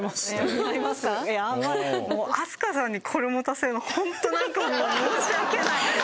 もう飛鳥さんにこれ持たせるのホントなんかもう申し訳ない。